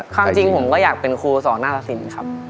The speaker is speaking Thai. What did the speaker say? ความจริงผมก็อยากเป็นครูสอนหน้าตะสินครับ